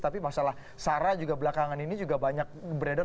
tapi masalah sara juga belakangan ini juga banyak beredar